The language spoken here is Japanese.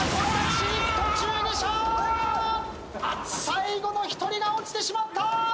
最後の１人が落ちてしまった！